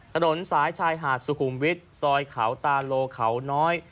ถนนสายชายหาดสุขุมวิทย์ซอยเขาตาโลเขาน้อย